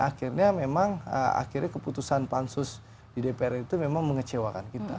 akhirnya keputusan pak ansus di dpr itu memang mengecewakan kita